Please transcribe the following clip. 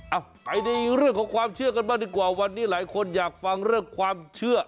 เอาไปในเรื่องของความเชื่อกันบ้างดีกว่าวันนี้หลายคนอยากฟังเรื่องความเชื่อ